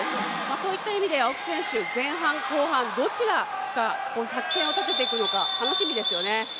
そういった意味で青木選手前半、後半どちらから作戦を立ててくるのかたのしみですよね。